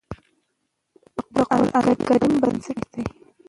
د قرآن کريم بنسټ دی